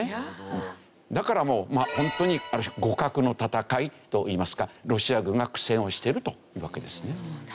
だからホントに互角の戦いといいますかロシア軍が苦戦をしてるというわけですね。